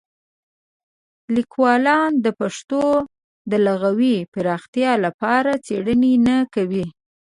لیکوالان د پښتو د لغوي پراختیا لپاره څېړنې نه کوي.